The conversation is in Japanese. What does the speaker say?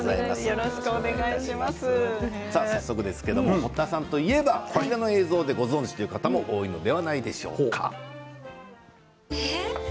早速ですが堀田さんといえばこちらの映像でご存じの方も多いのではないでしょうか。